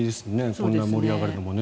こんな盛り上がるのもね。